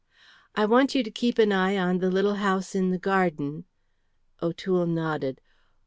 "I want you to keep an eye on the little house in the garden " O'Toole nodded.